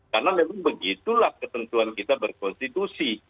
karena memang begitulah ketentuan kita berkonstitusi